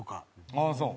ああそう？